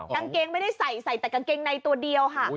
กางเกงไม่ได้ใส่ใส่แต่กางเกงในตัวเดียวค่ะ